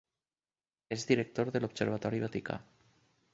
És director de l’Observatori Vaticà.